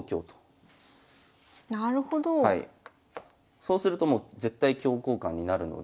そうするともう絶対香交換になるので。